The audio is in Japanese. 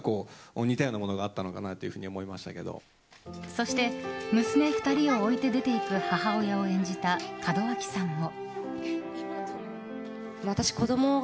そして娘２人を置いて出て行く母親を演じた門脇さんも。